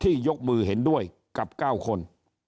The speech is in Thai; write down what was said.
ยกมือเห็นด้วยกับ๙คน